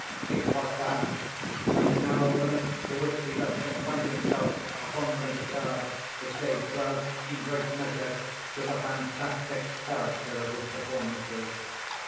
It was, perhaps, the narrow limits to which he thus confined himself upon the guitar, which gave birth, in great measure, to the fantastic character of his performances.